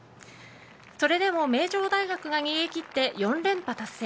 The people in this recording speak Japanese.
それでも名城大学が逃げ切って４連覇達成。